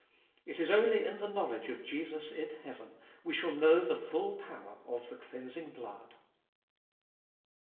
It is only in the knowledge of Jesus in heaven we shall know the full power of the cleansing blood.